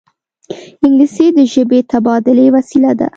انګلیسي د ژبني تبادلې وسیله ده